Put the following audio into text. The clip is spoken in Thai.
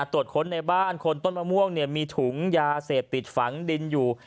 ตรวจค้นในบ้านคนต้นมะม่วงมีถุงยาเสพติดฝังดินอยู่